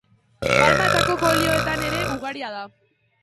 Palma eta koko oliotan ere ugaria da.